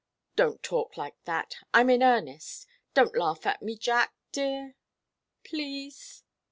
"Don't talk like that. I'm in earnest. Don't laugh at me, Jack dear please!"